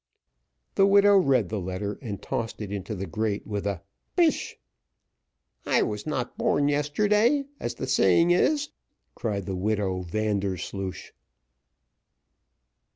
The widow read the letter, and tossed it into the grate with a Pish! "I was not born yesterday, as the saying is," cried the widow Vandersloosh.